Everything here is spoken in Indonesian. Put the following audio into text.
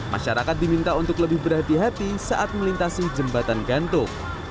masyarakat diminta untuk lebih berhati hati saat melintasi jembatan gantung